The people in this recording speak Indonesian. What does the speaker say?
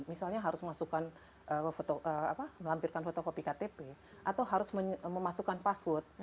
misalnya harus melampirkan fotokopi ktp atau harus memasukkan password